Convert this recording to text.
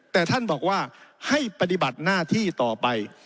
แต่ท่านบอกว่าให้ปฏิบัติหน้าที่ต่อไป